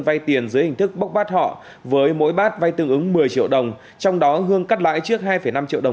vay tiền dưới hình thức bốc bắt họ với mỗi bát vay tương ứng một mươi triệu đồng trong đó hương cắt lãi trước hai năm triệu đồng